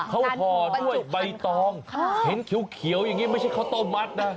เขาห่อด้วยใบตองเห็นเขียวอย่างนี้ไม่ใช่ข้าวต้มมัดนะ